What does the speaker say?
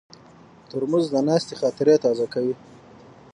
ترموز د ناستې خاطرې تازه کوي.